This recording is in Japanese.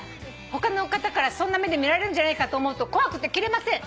「他の方からそんな目で見られるんじゃないかと思うと怖くて着れません。